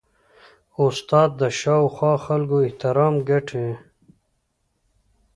استاد د شاوخوا خلکو احترام ګټي.